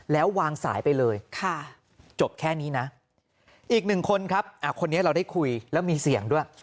แล้ววางสายไปเลยจบแค่นี้นะอีกหนึ่งคนครับคนนี้เราได้คุยแล้วมีเสียงด้วย